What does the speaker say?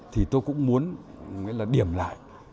thì tôi cũng muốn điểm lại